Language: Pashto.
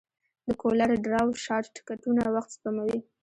د کولر ډراو شارټکټونه وخت سپموي.